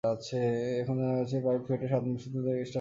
এখন জানা গেছে, পাইপ ফেটেছে সাতমসজিদ রোডে স্টার কাবাব রেস্তোরাঁর কাছে।